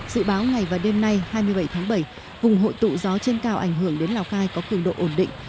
dự báo ngày và đêm nay hai mươi bảy tháng bảy vùng hội tụ gió trên cao ảnh hưởng đến lào cai có cường độ ổn định